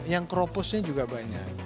yang kroposnya juga banyak